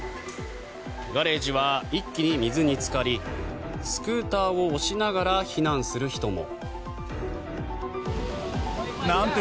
ガレージは一気に水につかりスクーターを押しながら避難する人も。